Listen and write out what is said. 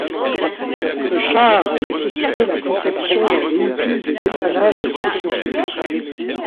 Ce char a nécessité la conception d'un véhicule de dépannage spécifique.